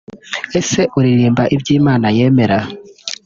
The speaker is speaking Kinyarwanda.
Ese uririmba ibyo Imana yemera